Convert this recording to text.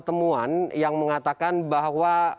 temuan yang mengatakan bahwa